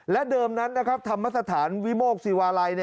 และเดิมนั้นนะครับธรรมสถานวิโมกศิวาลัย